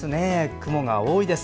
雲が多いです。